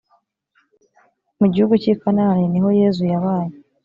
mu gihugu cy i kanani niho yezu yabaye